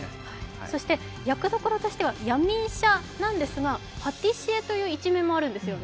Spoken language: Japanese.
そして役どころとしては闇医者なんですがパティシエという一面もあるんですよね？